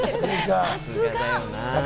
さすが！